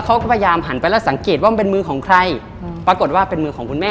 กลายเป็นว่ามีมือคนนึงอะ